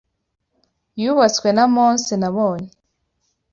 yubatswe na mose nabonye